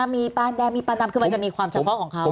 มีปลาแดงมีปลาดำคือมันจะมีความเฉพาะของเขา